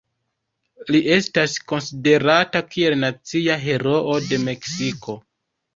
Li estas konsiderata kiel nacia heroo de Meksiko.